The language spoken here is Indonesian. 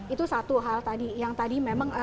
itu satu hal tadi yang tadi memang